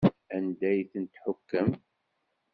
Anda ay ten-tḥukkem?